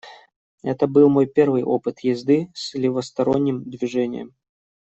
Это был мой первый опыт езды с левосторонним движением.